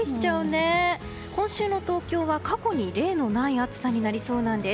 今週の東京は過去に例のない暑さになりそうなんです。